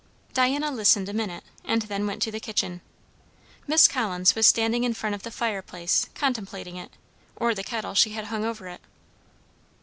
Diana listened a minute, and then went to the kitchen. Miss Collins was standing in front of the fire contemplating it, or the kettle she had hung over it.